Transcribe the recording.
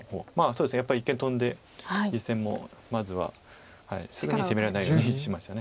そうですねやっぱり一間トンで実戦もまずはすぐに攻められないようにしました。